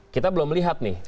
kita belum melihat nih